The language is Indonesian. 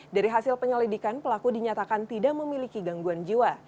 dari hasil penyelidikan pelaku dinyatakan tidak memiliki gangguan jiwa